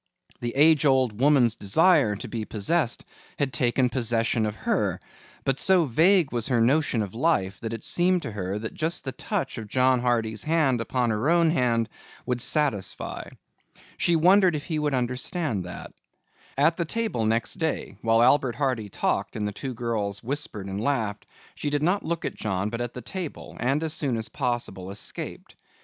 The age old woman's desire to be possessed had taken possession of her, but so vague was her notion of life that it seemed to her just the touch of John Hardy's hand upon her own hand would satisfy. She wondered if he would understand that. At the table next day while Albert Hardy talked and the two girls whispered and laughed, she did not look at John but at the table and as soon as possible escaped.